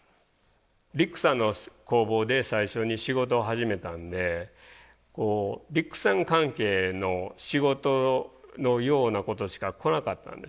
リックさんの工房で最初に仕事を始めたんでリックさん関係の仕事のようなことしか来なかったんですね。